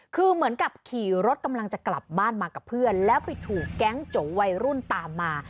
คือเหมือนกับขี่รถกำลังจะกลับบ้านมากับเพื่อนแล้วไปถูกแก๊งโจวัยรุ่นตามมา